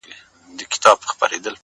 • جـنــگ له فريادي ســــره ـ